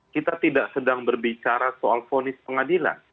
kita tidak sedang berbicara soal fonis pengadilan